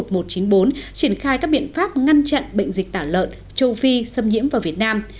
triển khai các biện pháp ngăn chặn bệnh dịch tả lợn châu phi xâm nhiễm vào việt nam